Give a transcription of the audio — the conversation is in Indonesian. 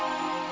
kita ke rumah